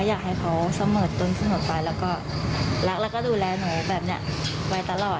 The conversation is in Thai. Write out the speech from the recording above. อยากให้เขาเสมอต้นเสมอไปแล้วก็รักแล้วก็ดูแลหนูแบบนี้ไว้ตลอด